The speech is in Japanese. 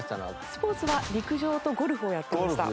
スポーツは陸上とゴルフをやってました。